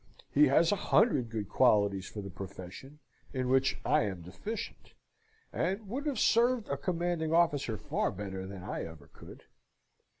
He has a hundred good qualities for the profession, in which I am deficient; and would have served a Commanding Officer far better than I ever could.